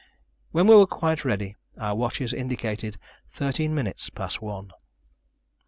When we were quite ready, our watches indicated thirteen minutes past one!